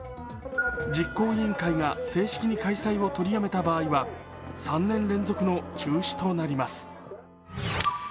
実行委員会が正式に開催を取りやめた場合は３年連続の中止となります。